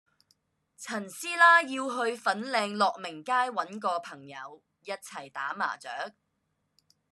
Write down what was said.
陳師奶要去粉嶺樂鳴街搵個朋友一齊打麻雀